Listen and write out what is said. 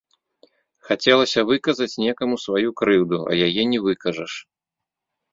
Хацелася выказаць некаму сваю крыўду, а яе не выкажаш.